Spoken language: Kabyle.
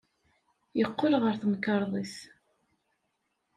Yeqqel ɣer temkarḍit.